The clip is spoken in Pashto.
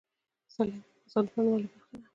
پسرلی د افغانستان د بڼوالۍ برخه ده.